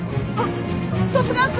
十津川君！